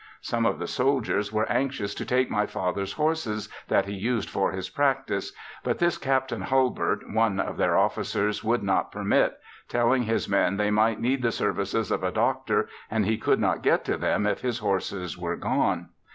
Some of the soldiers were anxious to take my father's horses that he used for his practice, but this Captain Hulbert, one of their officers, would not permit, telling his men they might need the services of a doctor and he could not get to them if his horses were gone.